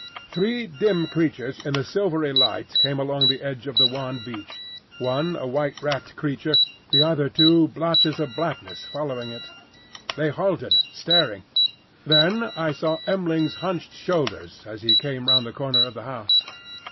Three dim creatures in the silvery light came along the edge of the wan beach,—one a white wrapped creature, the other two blotches of blackness following it. They halted, staring. Then I saw M'ling's hunched shoulders as he came round the corner of the house.